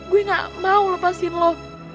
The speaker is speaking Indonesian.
gue gak mau lepasin lo